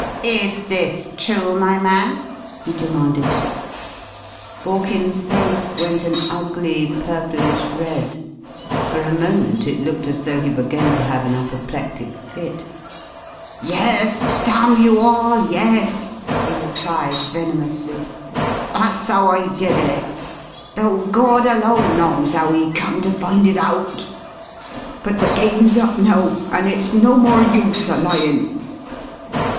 "Is this true, my man?" he demanded. Borkins's face went an ugly purplish red. For a moment it looked as though he were going to have an apoplectic fit. "Yes damn you all yes!" he replied venomously. "That's how I did it though Gawd alone knows how he come to find it out! But the game's up now, and it's no more use a lyin'."